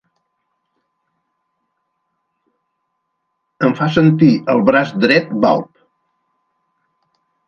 Em fa sentir el braç dret balb.